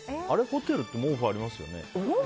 ホテルって毛布ありますよね？